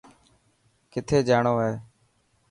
ڪٿي جاڻو هي.